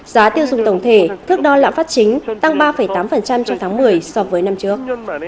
giá tiêu dùng tổng thể thước đo lãm phát chính tăng ba tám trong tháng một mươi so với năm trước